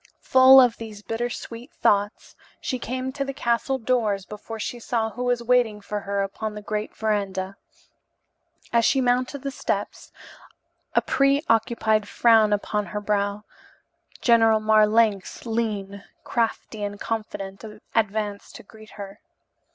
Full of these bitter sweet thoughts she came to the castle doors before she saw who was waiting for her upon the great verandah. As she mounted the steps, a preoccupied frown upon her fair brow, General Marlanx, lean, crafty and confident, advanced to greet her.